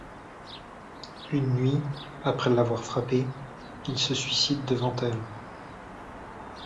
Une nuit, après l'avoir frappée, il se suicide devant elle.